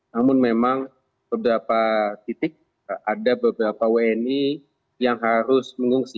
namun memang beberapa titik ada beberapa wni yang harus mengungsi